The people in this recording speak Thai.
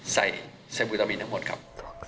ใส่ไซบูตามีนทั้งหมดครับ